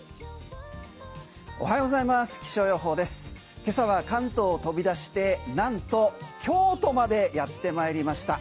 今朝は関東を飛び出して、なんと京都までやってまいりました。